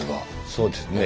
そうですね。